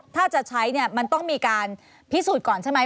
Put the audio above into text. ถ้าจะใช้เนี่ยมันต้องมีการพิสูจน์ก่อนใช่ไหม